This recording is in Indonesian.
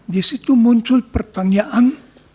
di situ muncul pertanyaan